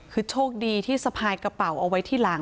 คือโชคดีที่สะพายกระเป๋าเอาไว้ที่หลัง